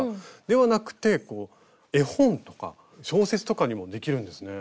ではなくて絵本とか小説とかにもできるんですね。